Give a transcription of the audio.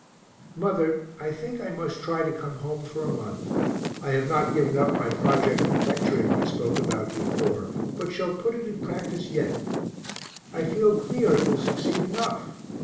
Mother, I think I must try to come home for a month I have not given up my project of lecturing I spoke about before, but shall put it in practice yet; I feel clear it will succeed enough.